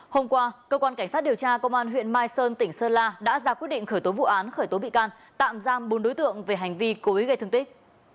hôm qua cơ quan cảnh sát điều tra công an huyện mai sơn tỉnh sơn la đã ra quyết định khởi tố vụ án khởi tố bị can tạm giam bốn đối tượng về hành vi cố ý gây thương tích